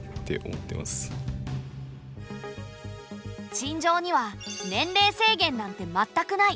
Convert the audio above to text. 陳情には年齢制限なんて全くない。